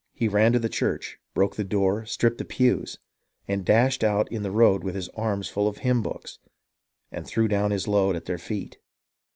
He ran to the church, Broke the door, stripped the pews, and dashed out in the road With his arms full of hymn books, and threw down his load At their feet